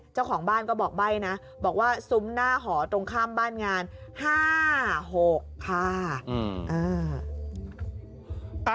เจ้าของบ้านก็บอกใบ้นะบอกว่าซุ้มหน้าหอตรงข้ามบ้านงาน๕๖ค่ะ